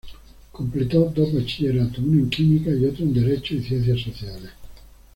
Completó dos bachilleratos, uno en Química, y otro en Derecho y Ciencias Sociales.